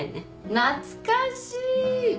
懐かしい！